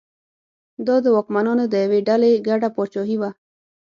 دا د واکمنانو د یوې ډلې ګډه پاچاهي وه.